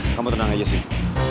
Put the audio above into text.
kamu tenang aja sih